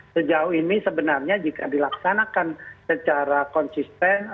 sejauh ini sebenarnya jika dilaksanakan secara konsisten